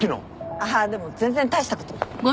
あでも全然大したこと。